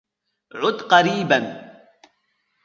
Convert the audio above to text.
عُد قريبًا.